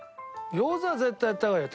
餃子は絶対やった方がいいよ